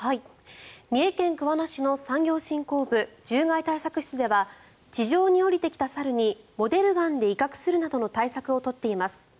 三重県桑名市の産業振興部獣害対策室では地上に下りてきた猿にモデルガンで威嚇するなどの対策を取っています。